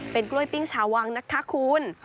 เป็นกล้วยปิ้งชาววังนะคะคุณ